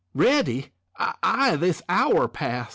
"Ready! ay, this hour past."